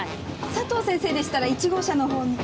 佐藤先生でしたら１号車のほうに。